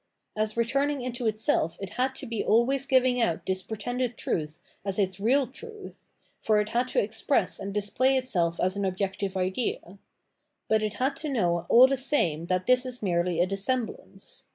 As returning into itself it had to be always giving out this pretended truth as its real truth, for it had to express and display itself as an objective idea ; but it had to know all the same that this is merely a dissemblance.